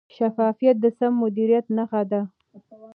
شفافیت د سم مدیریت نښه ده.